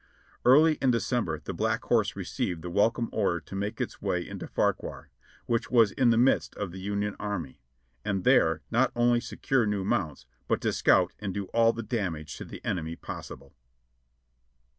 Early in December the Black Horse received the welcome order to make its way into Fauquier, which was in the midst of the Union Army, and there, not only secure new mounts, but to scout and do all the damage to the enemv possible.